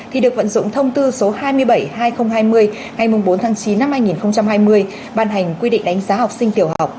thì được vận dụng thông tư số hai mươi bảy hai nghìn hai mươi ngày bốn tháng chín năm hai nghìn hai mươi ban hành quy định đánh giá học sinh tiểu học